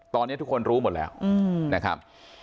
ตอนนี้ทุกคนรู้หมดแล้วนะครับ